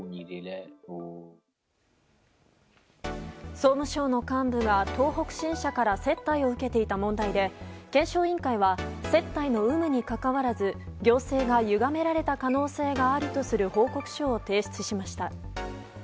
総務省の幹部が東北新社から接待を受けていた問題で検証委員会は接待の有無にかかわらず行政がゆがめられた可能性があるとする報告書を提出しました。